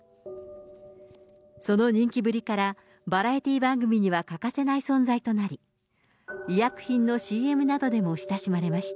その人気ぶりから、バラエティ番組には欠かせない存在となり、医薬品のＣＭなどでも親しまれました。